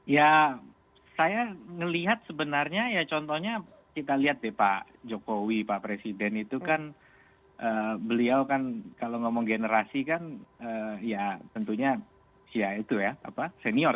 ya saya melihat sebenarnya ya contohnya kita lihat deh pak jokowi pak presiden itu kan beliau kan kalau ngomong generasi kan ya tentunya ya itu ya apa senior